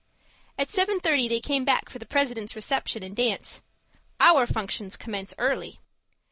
At seven thirty they came back for the President's reception and dance. Our functions commence early!